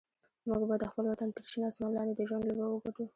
موږ به د خپل وطن تر شین اسمان لاندې د ژوند لوبه وګټو.